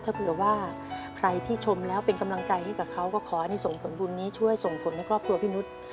ถ้าเผื่อว่าใครที่ชมแล้วเป็นกำลังใจให้กับเขาก็ขอให้ส่งผลบุญนี้ช่วยส่งผลให้ครอบครัวพี่นุษย์